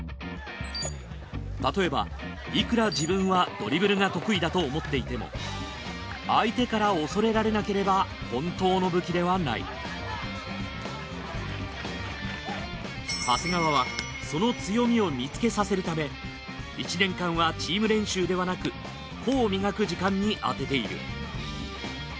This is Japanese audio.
例えばいくら自分はドリブルが得意だと思っていても相手から恐れられなければ本当の武器ではない長谷川はその強みを見つけさせるため１年間はチーム練習ではなく個を磨く時間に当てている。